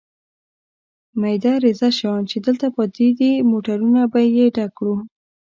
مېده رېزه شیان چې دلته پاتې دي، موټرونه به په ډک کړو.